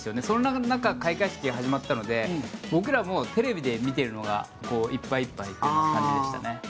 その中、開会式が始まったので僕らもテレビで見ているのがいっぱいいっぱいという感じでしたね。